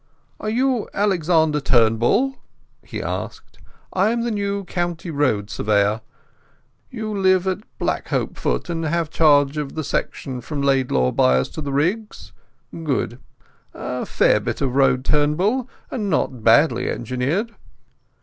"Are you Alexander Turnbull?" he asked. "I am the new County Road Surveyor. You live at Blackhopefoot, and have charge of the section from Laidlawbyres to the Riggs? Good! A fair bit of road, Turnbull, and not badly engineered.